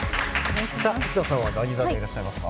生田さんは何座でいらっしゃいますか？